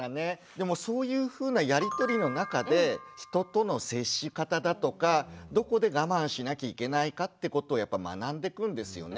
でもそういうふうなやり取りの中で人との接し方だとかどこで我慢しなきゃいけないかってことをやっぱ学んでくんですよね。